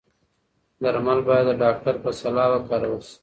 درمل باید د ډاکتر په سلا وکارول شي.